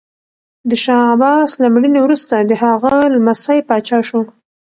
د شاه عباس له مړینې وروسته د هغه لمسی پاچا شو.